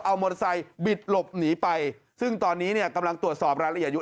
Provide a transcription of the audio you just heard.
เอามอเตอร์ไซค์บิดหลบหนีไปซึ่งตอนนี้เนี่ยกำลังตรวจสอบรายละเอียดอยู่